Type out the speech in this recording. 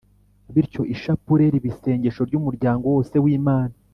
bityo ishapule riba isengesho ry’umuryango wose w’imana